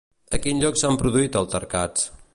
A quin lloc s'han produït altercats?